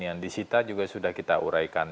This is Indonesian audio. yang disita juga sudah kita uraikan